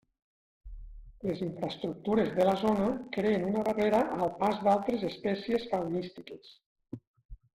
Les infraestructures de la zona creen una barrera al pas d'altres espècies faunístiques.